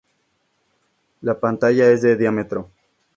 La pantalla es de en diámetro.